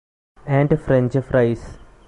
And French fries.